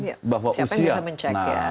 siapa yang bisa mencari